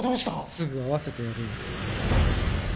すぐ会わせてやるよ